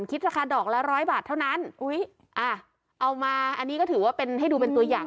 คิดราคาดอกละร้อยบาทเท่านั้นอุ้ยอ่ะเอามาอันนี้ก็ถือว่าเป็นให้ดูเป็นตัวอย่าง